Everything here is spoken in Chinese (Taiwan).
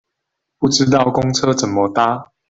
不知道公車怎麼搭